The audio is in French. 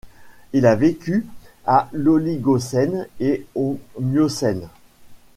Il a vécu à l'Oligocène et au Miocène.